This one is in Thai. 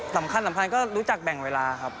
สำคัญก็รู้จักแบ่งเวลาครับ